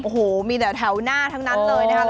โอ้โหมีแต่แถวหน้าทั้งนั้นเลยนะคะ